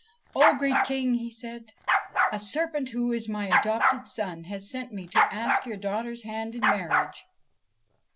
' O great King !' he said, ' a serpent who is my adopted son has sent me to ask your daughter's hand in marriage.'